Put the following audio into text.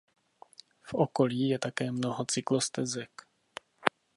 V okolí je také mnoho cyklostezek.